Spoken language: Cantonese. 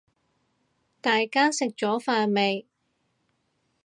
大家食咗飯未